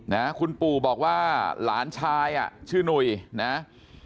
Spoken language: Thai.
นะคุณปู่บอกว่าหลานชายอ่ะชื่อหนุ่ยนะ